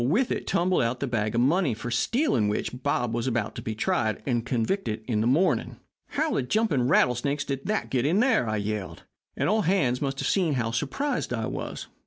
With it tumbled out the bag of money for stealing which Bob was to be tried and convicted in the morning. "'How the jumping rattlesnakes did that get there?' I yelled, and all hands must have seen how surprised I was.